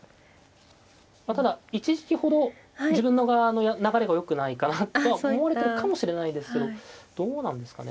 ただ一時期ほど自分の側の流れが良くないかなとは思われてるかもしれないですけどどうなんですかね。